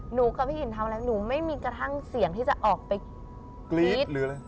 หนูกับพี่อิ่นทำอะไรหนูไม่มีกระทั่งเสียงที่จะออกไปกรี๊ด